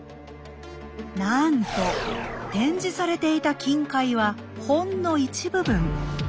なんと展示されていた金塊はほんの一部分。